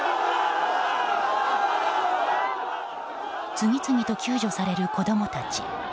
次々と救助される子供たち。